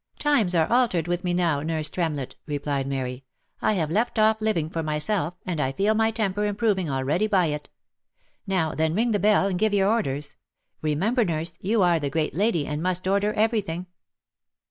" Times are altered with me now, nurse Tremlett," replied Mary ;" I have left off living for myself, and I feel my temper improving already by it. Now, then, ring the bell, and give your orders ; remem ber, nurse, you are the great lady, and must order every thing."